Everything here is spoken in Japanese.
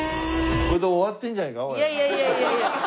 これで終わっていいんじゃないか？